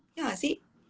iya nggak sih